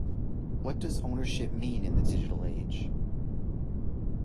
What does ownership mean in the digital age?